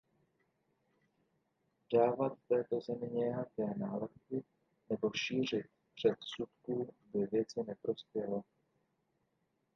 Dávattéto zemi nějaké nálepky nebo šířit předsudků by věci neprospělo.